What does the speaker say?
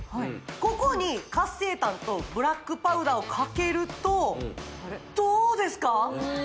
ここに活性炭とブラックパウダーをかけるとどうですか？